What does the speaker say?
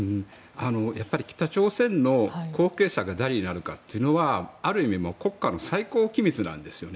北朝鮮の後継者が誰になるかというのはある意味国家の最高機密なんですよね。